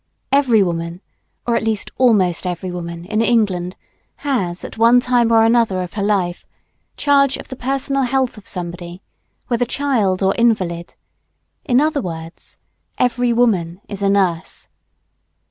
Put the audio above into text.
Every woman, or at least almost every woman, in England has, at one time or another of her life, charge of the personal health of somebody, whether child or invalid, in other words, every woman is a nurse.